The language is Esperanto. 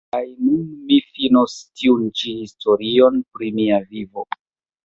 Kaj nun mi finos tiun-ĉi historion pri mia vivo.